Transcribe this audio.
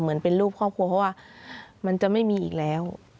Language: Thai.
เหมือนเป็นรูปครอบครัวเพราะว่ามันจะไม่มีอีกแล้ว